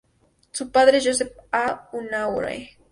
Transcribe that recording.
Su padre es Joseph A. Unanue.